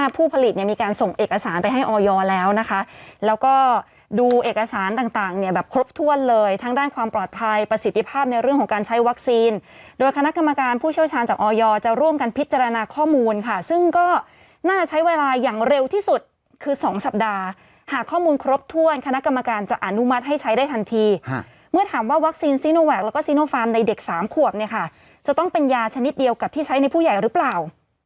ประเทศไทยเราของเราสามารถสกัดกันเองได้แล้วใช่ไหมต้องขออนุญาตนะฮะ